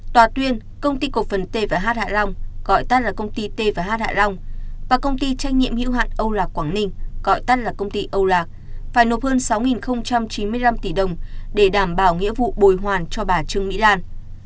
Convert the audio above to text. tòa tuyên công ty cổ phần t và h hạ long gọi tắt là công ty t hạ long và công ty trách nhiệm hữu hạn âu lạc quảng ninh gọi tắt là công ty âu lạc phải nộp hơn sáu chín mươi năm tỷ đồng để đảm bảo nghĩa vụ bồi hoàn cho bà trương mỹ lan